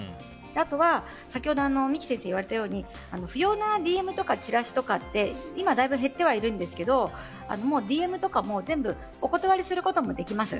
あとは、先ほど三木先生が言われたように不要なＤＭやチラシとかって今、だいぶ減っているんですけどＤＭとかも全部お断りすることもできます。